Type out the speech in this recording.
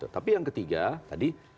tapi yang ketiga tadi